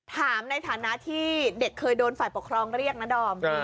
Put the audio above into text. ถามในฐานะที่เด็กเคยโดนฝ่ายปกครองเรียกนะดอม